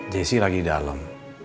jessy lagi di dalem